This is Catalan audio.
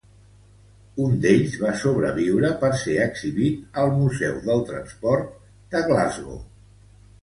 Un d'ells va sobreviure per ser exhibit al Museu del Transport de Glasgow.